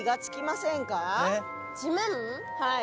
はい。